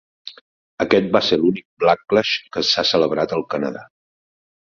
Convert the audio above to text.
Aquest va ser l'únic Blacklash que s'ha celebrat al Canadà.